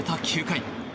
９回。